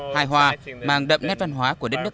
hai hoa mang đậm nét văn hóa của đất nước